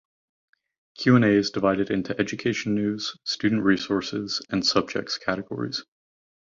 Q and A is divided into "Education news," "Student resources" and "Subjects" categories.